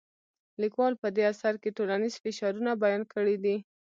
لیکوال په دې اثر کې ټولنیز فشارونه بیان کړي دي.